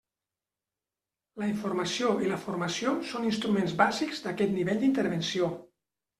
La informació i la formació són instruments bàsics d'aquest nivell d'intervenció.